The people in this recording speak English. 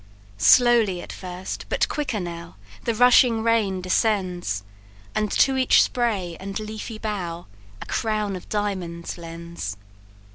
"Slowly at first, but quicker now, The rushing rain descends; And to each spray and leafy bough A crown of diamonds lends.